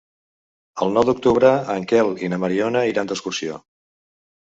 El nou d'octubre en Quel i na Mariona iran d'excursió.